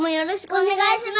お願いします。